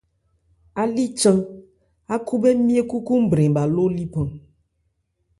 Álí chan, ákhúbhɛ́ ńmye kúkwúnbrɛn bhâ ló líphan.